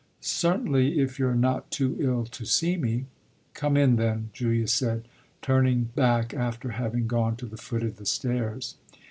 "Certainly, if you're not too ill to see me." "Come in then," Julia said, turning back after having gone to the foot of the stairs.